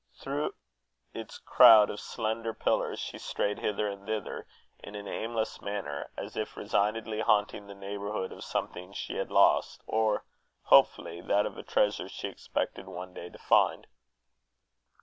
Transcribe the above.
Through its crowd of slender pillars, she strayed hither and thither, in an aimless manner, as if resignedly haunting the neighbourhood of something she had lost, or, hopefully, that of a treasure she expected one day to find.